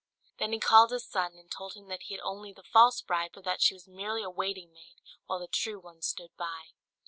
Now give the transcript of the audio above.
Then he called his son, and told him that he had only the false bride, for that she was merely a waiting maid, while the true one stood by.